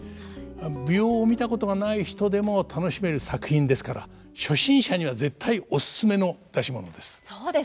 舞踊を見たことがない人でも楽しめる作品ですから初心者には絶対おすすめの出し物です。